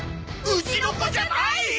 うちの子じゃない！？